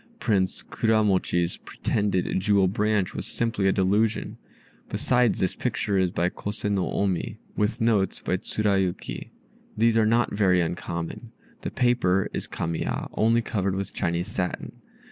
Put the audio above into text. Prince Kuramochi's pretended jewel branch was simply a delusion. Besides, this picture is by Kose no Omi, with notes by Tsurayuki. These are not very uncommon. The paper is Kamiya, only covered with Chinese satin.